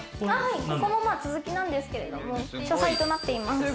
これも続きなんですけども、書斎となっています。